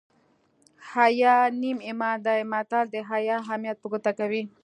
حیا نیم ایمان دی متل د حیا اهمیت په ګوته کوي